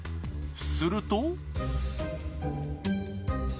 すると。